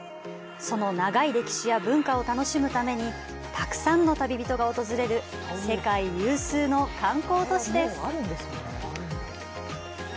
その長い歴史や文化を楽しむためにたくさんの旅人が訪れる世界有数の観光都市です。